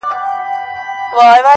زندګي لکه سندره زمزمه کړم